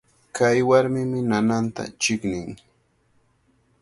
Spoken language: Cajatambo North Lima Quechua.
Kay warmimi nananta chiqnin.